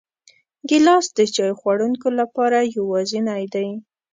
ګیلاس د چای خوړونکو لپاره یوازینی دی.